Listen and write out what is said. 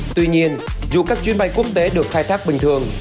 tuy nhiên dù các chuyến bay quốc tế được khai thác bình thường